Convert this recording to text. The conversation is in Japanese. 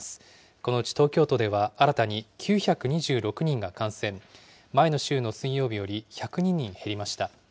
このうち東京都では新たに９２６人が感染、前の週の水曜日より１０２人減りました。